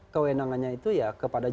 kewenangannya itu ya kepada